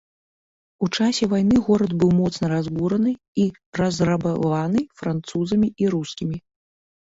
У часе вайны горад быў моцна разбураны і разрабаваны французамі і рускімі.